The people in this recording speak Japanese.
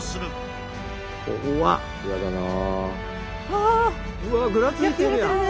うわぐらついてるやん！